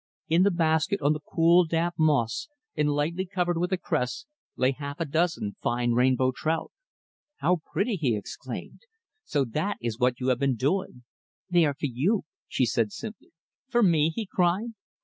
In the basket, on the cool, damp moss, and lightly covered with the cress, lay a half dozen fine rainbow trout. "How pretty!" he exclaimed. "So that is what you have been doing!" "They are for you," she said simply. "For me?" he cried.